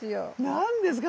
何ですか？